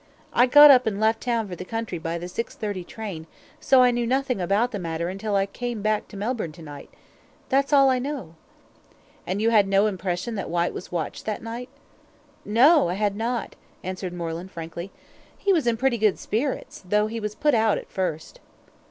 I got up and left town for the country by the six thirty train, so I knew nothing about the matter until I came back to Melbourne to night. That's all I know." "And you had no impression that Whyte was watched that night?" "No, I had not," answered Moreland, frankly. "He was in pretty good spirits, though he was put out at first."